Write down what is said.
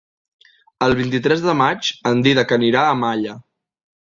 El vint-i-tres de maig en Dídac anirà a Malla.